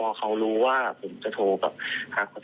แล้วก็มาก่อเหตุอย่างที่คุณผู้ชมเห็นในคลิปนะคะ